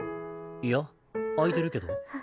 いや空いてるけど。